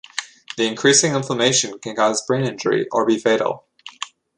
The increasing inflammation can cause brain injury or be fatal.